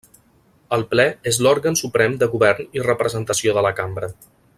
El Ple és l'òrgan suprem de govern i representació de la Cambra.